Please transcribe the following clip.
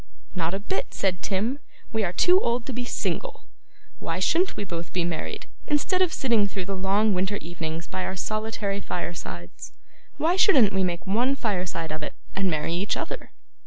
'Not a bit,' said Tim; 'we are too old to be single. Why shouldn't we both be married, instead of sitting through the long winter evenings by our solitary firesides? Why shouldn't we make one fireside of it, and marry each other?